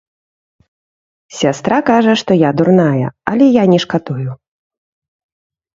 Сястра кажа, што я дурная, але я не шкадую.